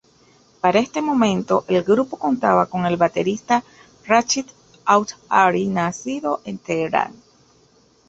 Para este momento el grupo contaba con el baterista Rachid Houari, nacido en Teherán.